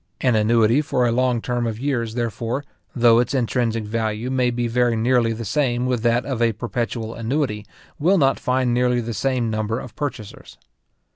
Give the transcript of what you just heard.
An annuity for a long term of years, therefore, though its intrinsic value may be very nearly the same with that of a perpetual annuity, will not find nearly the same number of purchasers.